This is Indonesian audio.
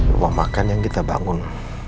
rumah makan yang kita bangun